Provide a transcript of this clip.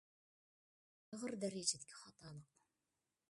ئېغىر دەرىجىدىكى خاتالىق.